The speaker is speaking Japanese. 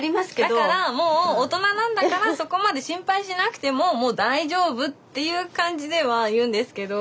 だからもう大人なんだからそこまで心配しなくてももう大丈夫っていう感じでは言うんですけど。